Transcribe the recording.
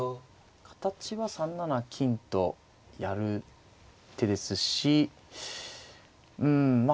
形は３七金とやる手ですしうんまあ